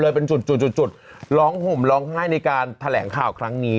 เลยเป็นจุดร้องหมร้องไห้ในการแทะแหลงข่าวกันครั้งนี้